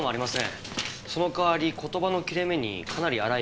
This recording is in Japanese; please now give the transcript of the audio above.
その代わり言葉の切れ目にかなり荒い息づかいが入ってます。